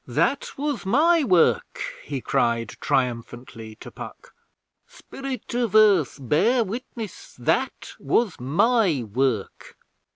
That was my work,' he cried, triumphantly, to Puck. 'Spirit of Earth, bear witness that that was my work!'